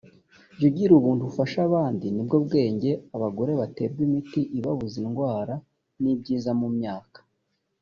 jya ugira ubuntu ufashe abandi nibwo bwenge abagore baterwa imiti ibabuza indwara nibyiza mumyaka